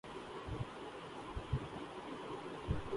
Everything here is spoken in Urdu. اسکے باعث بہت سی اقسام کے سر درد کا شافی علاج ہو سکتا ہے